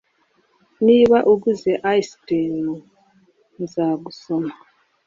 Niba uguze ice-cream, nzagusoma.